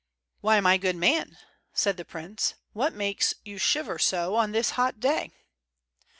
"Why, my good man," said the prince, "what makes you shiver so on this hot day?"